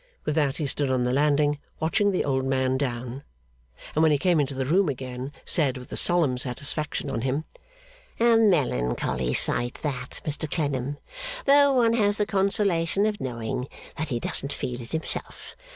With that he stood on the landing, watching the old man down: and when he came into the room again, said, with a solemn satisfaction on him, 'A melancholy sight that, Mr Clennam, though one has the consolation of knowing that he doesn't feel it himself.